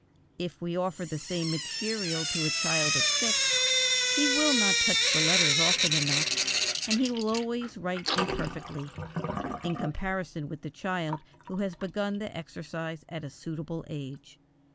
If we offer the same material to a child of six he will not touch the letters often enough, and he will always write imperfectly, in comparison with the child who has begun the exercise at a suitable age.